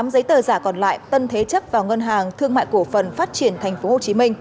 tám giấy tờ giả còn lại tân thế chấp vào ngân hàng thương mại cổ phần phát triển tp hcm